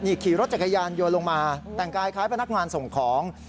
ขี่รถจักรยานโยนลงมาแต่งกายคล้ายพนักงานส่งของ